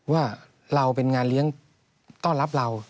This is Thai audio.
ว่าเราเป็นงานเลี้ยงต้อนรับเรา